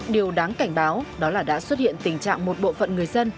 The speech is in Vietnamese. điều đáng cảnh báo đó là đã xuất hiện tình trạng một bộ phận người dân